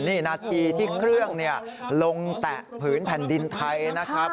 นี่นาทีที่เครื่องลงแตะผืนแผ่นดินไทยนะครับ